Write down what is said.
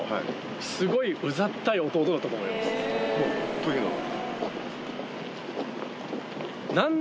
というのは？